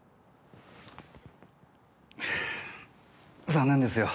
残念ですよ。